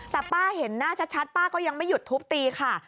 แต่ป้าเห็นหน้าชัดป้าก็ยังไม่หยุดทุบตีค่ะ